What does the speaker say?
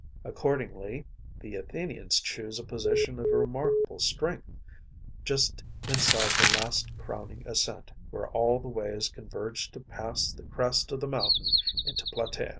Accordingly, the Athenians choose a position of remarkable strength, just inside the last crowning ascent, where all the ways converge to pass the crest of the mountain into Platæa.